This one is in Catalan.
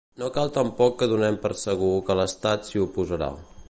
No cal tampoc que donem per segur que l’estat s’hi oposarà.